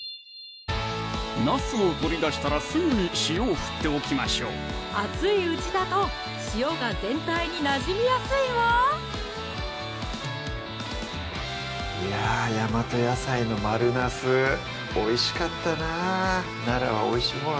なすを取り出したらすぐに塩をふっておきましょう熱いうちだと塩が全体になじみやすいわいやぁ大和野菜の丸なすおいしかったな奈良はおいしいもの